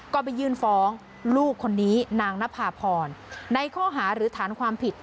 ก็ไปยื่นฟ้องลูกคนนี้นางนภาพรในข้อหาหรือฐานความผิด